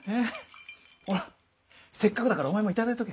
ほらせっかくだからお前も頂いとけ。